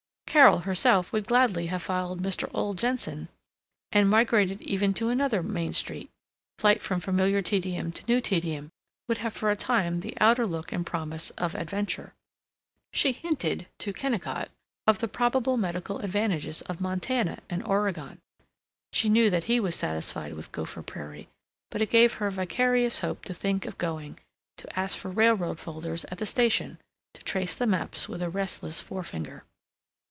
Carol herself would gladly have followed Mr. Ole Jenson, and migrated even to another Main Street; flight from familiar tedium to new tedium would have for a time the outer look and promise of adventure. She hinted to Kennicott of the probable medical advantages of Montana and Oregon. She knew that he was satisfied with Gopher Prairie, but it gave her vicarious hope to think of going, to ask for railroad folders at the station, to trace the maps with a restless forefinger.